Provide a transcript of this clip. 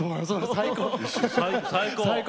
最高！